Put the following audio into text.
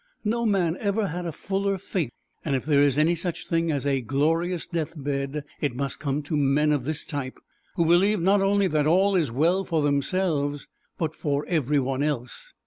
No man ever had a fuller faith, and if there is any such thing as a glorious deathbed it must come to men of this type who believe not only that all is well for themselves, but for every one else.